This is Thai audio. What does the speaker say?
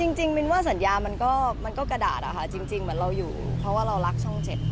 อืมจริงสัญญามันก็กระดาษจริงเราอยู่เพราะเรารักช่องเจ็ด